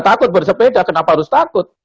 takut bersepeda kenapa harus takut